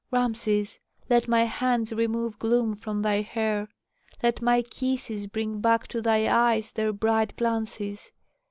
"Rameses, let my hands remove gloom from thy hair, let my kisses bring back to thy eyes their bright glances.